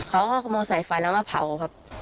เขาก็ขโมยสายไฟแล้วมาเผาครับ